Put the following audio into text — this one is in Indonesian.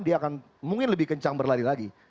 dia akan mungkin lebih kencang berlari lagi